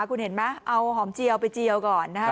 คุณเห็นไหมเอาหอมเจียวไปเจียวก่อนนะฮะ